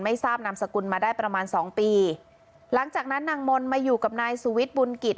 ทราบนามสกุลมาได้ประมาณสองปีหลังจากนั้นนางมนต์มาอยู่กับนายสุวิทย์บุญกิจ